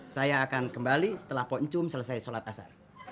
saya akan kembali setelah poncum selesai sholat asar